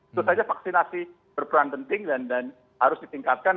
itu saja vaksinasi berperan penting dan harus ditingkatkan